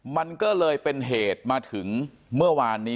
มันก็เลยเป็นเหตุมาถึงเมื่อวานนี้